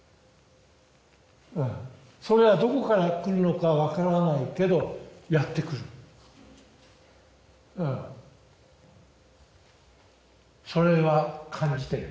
うんそれはどこから来るのか分からないけどやって来るそれは感じてる？